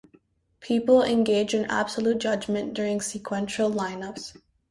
People engage in absolute judgment during sequential lineups.